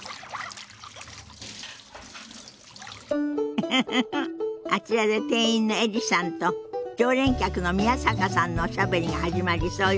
ウフフフあちらで店員のエリさんと常連客の宮坂さんのおしゃべりが始まりそうよ。